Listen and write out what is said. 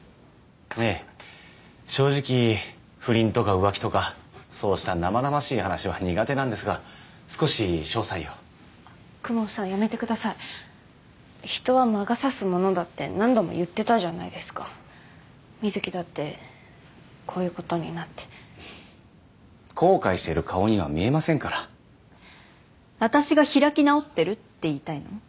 ええ正直不倫とか浮気とかそうした生々しい話は苦手なんですが少し詳細を公文さんやめてください人は魔が差すものだって何度も言ってたじゃないですか瑞貴だってこういうことになって後悔してる顔には見えませんから私が開き直ってるって言いたいの？